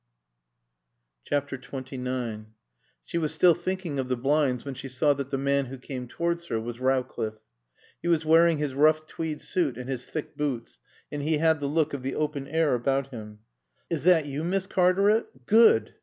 XXIX She was still thinking of the blinds when she saw that the man who came towards her was Rowcliffe. He was wearing his rough tweed suit and his thick boots, and he had the look of the open air about him. "Is that you, Miss Cartaret? Good!"